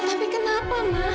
tapi kenapa ma